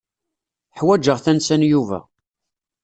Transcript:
Ḥwajeɣ tansa n Yuba.